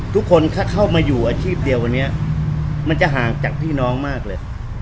ทุกคนถ้าเข้ามาอยู่อาชีพเดียววันนี้มันจะห่างจากพี่น้องมากเลย